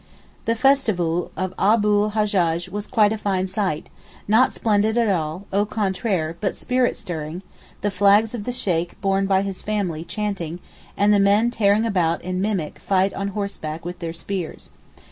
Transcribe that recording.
The festival of Abu l Hajjaj was quite a fine sight, not splendid at all—au contraire—but spirit stirring; the flags of the Sheykh borne by his family chanting, and the men tearing about in mimic fight on horseback with their spears.